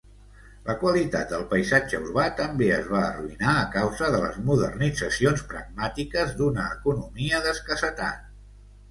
La qualitat del paisatge urbà també es va arruïnar a causa de les modernitzacions pragmàtiques d'una economia d'escassetat.